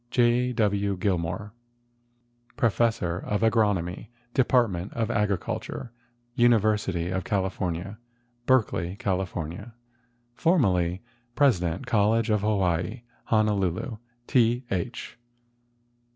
J. W. Gilmore, Professor of Agronomy, Department of Agriculture, University of California, Berkeley, Cal. Formerly President College of Hawaii, Honolulu. T. H.